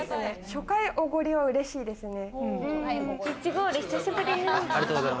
初回おごりは嬉しいですね。